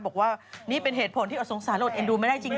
บอกว่านี่เป็นเหตุผลที่อดสงสารอดเอ็นดูไม่ได้จริง